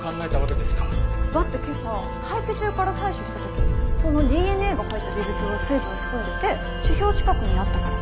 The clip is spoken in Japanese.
だって今朝大気中から採取した時そのＤＮＡが入った微物は水分含んでて地表近くにあったから。